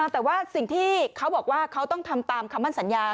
แต่ว่าสิ่งที่เขาบอกว่าเขาต้องทำตามคำมั่นสัญญา